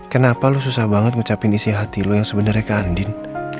kenapa lo susah banget ngucapin isi hati lo yang sebenarnya kak andin